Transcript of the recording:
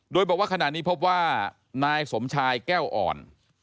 โดยบอกว่าขณะนี้พบว่านายสมชายแก้วอ่อน